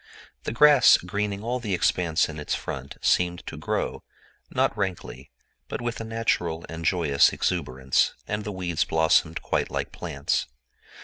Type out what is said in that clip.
The grass greening all the expanse in its front seemed to grow, not rankly, but with a natural and joyous exuberance, and the weeds blossomed quite like plants.